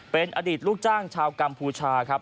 เป็นอดีตลูกจ้างชาวกัมพูชาครับ